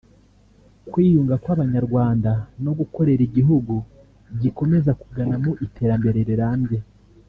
kwiyunga kw’Abanyarwanda no gukorera igihugu gikomeza kugana mu iterambere rirambye